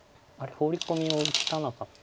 ホウリコミを打たなかった。